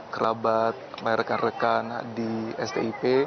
kerabat rakan rakan di stip